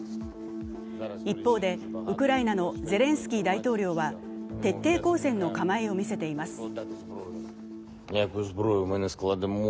一方で、ウクライナのゼレンスキー大統領は徹底抗戦の構えを見せています。